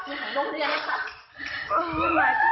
มีอะไร